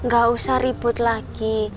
gak usah ribut lagi